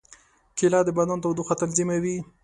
کېله د بدن تودوخه تنظیموي.